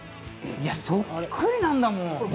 いや、そっくりなんだもん。